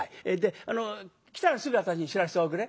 来たらすぐ私に知らせておくれ。